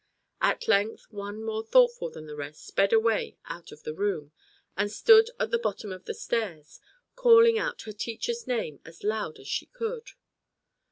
At length one more thoughtful than the rest sped away out of the room, and stood at the bottom of the stairs, calling out her teacher's name as loud as she could.